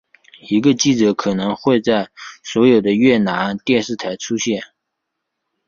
一个记者可能会在所有的越南电视台出现。